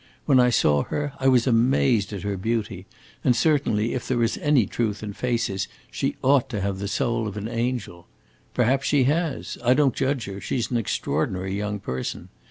When I saw her, I was amazed at her beauty, and, certainly, if there is any truth in faces, she ought to have the soul of an angel. Perhaps she has. I don't judge her; she 's an extraordinary young person.